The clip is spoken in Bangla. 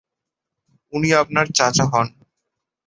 উনি আপনার চাচা হন।